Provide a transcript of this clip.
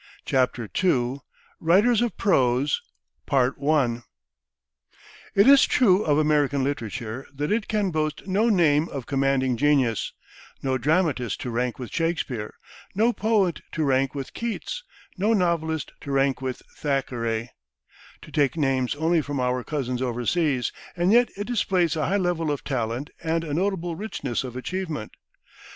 CHAPTER II WRITERS OF PROSE It is true of American literature that it can boast no name of commanding genius no dramatist to rank with Shakespeare, no poet to rank with Keats, no novelist to rank with Thackeray, to take names only from our cousins oversea and yet it displays a high level of talent and a notable richness of achievement.